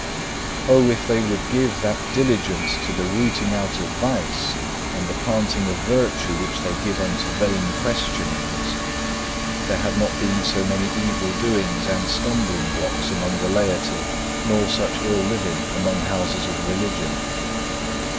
5. O if they would give that diligence to the rooting out of vice and the planting of virtue which they give unto vain questionings: there had not been so many evil doings and stumbling blocks among the laity, nor such ill living among houses of religion.